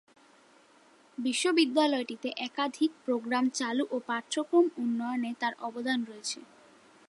বিশ্ববিদ্যালয়টিতে একাধিক প্রোগ্রাম চালু ও পাঠ্যক্রম উন্নয়নে তার অবদান রয়েছে।